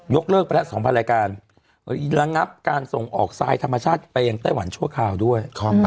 เลิกไปแล้ว๒๐๐รายการระงับการส่งออกทรายธรรมชาติไปยังไต้หวันชั่วคราวด้วย